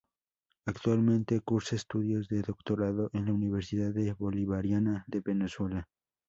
Actualmente cursa estudios de Doctorado en la Universidad Bolivariana de Venezuela.